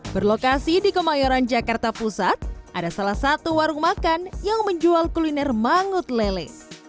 berlokasi di kemayoran jakarta pusat ada salah satu warung makan yang menjual kuliner mangut lele